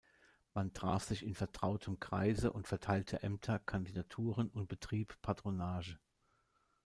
Man traf sich in vertrautem Kreise und verteilte Ämter, Kandidaturen und betrieb Patronage.